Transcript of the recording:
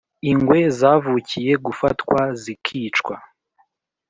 Ingwe zavukiye gufatwa zikicwa.